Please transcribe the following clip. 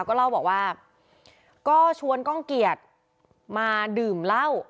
ก็เล่าบอกว่าก็ชวนก้องเกียจมาดื่มเหล้า